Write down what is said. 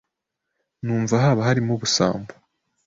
Numva haba harimo ubusambo